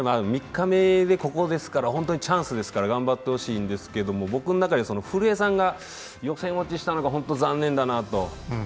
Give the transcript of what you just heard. ３日目でここですから本当にチャンスですから頑張ってほしいんですけど、僕の中で古江さんが予選落ちしたのがホント残念だなと。